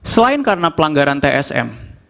selain karena pelanggaran tsm